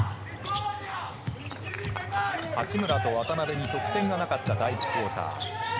八村と渡邊に得点がなかった第１クオーター。